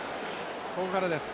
ここからです。